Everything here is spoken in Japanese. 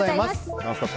「ノンストップ！」